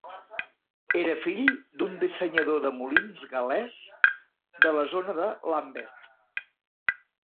Era fill d'un dissenyador de molins gal·lès de la zona de Lambeth.